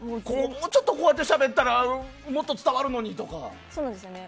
もうちょっとこうやってしゃべったらもっと伝わるのにとかそうなんですよね。